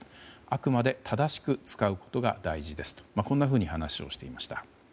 あくまで正しく使うことが大事ですとこんなふうに話をしていました。